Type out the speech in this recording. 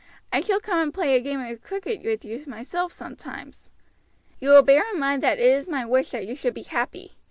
I shall come and play a game of cricket with you myself sometimes. "You will bear in mind that it is my wish that you should be happy.